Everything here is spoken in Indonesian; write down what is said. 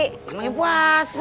mau nanya puasa